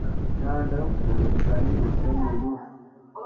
Caanda u gooryoɗu kali hu semyeɗu.